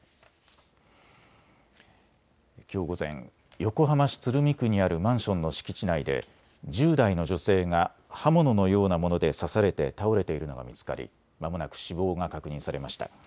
きょう午前、横浜市鶴見区にあるマンションの敷地内で１０代の女性が刃物のようなもので刺されて倒れているのが見つかりまもなく死亡が確認されました。